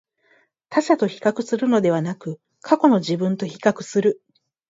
他者と比較するのではなく、過去の自分と比較する